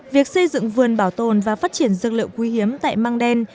việc xây dựng vườn bảo tồn và phát triển dược liệu quý hiếm tại mang đen